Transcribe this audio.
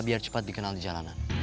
biar cepat dikenal di jalanan